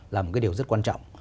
là một điều rất quan trọng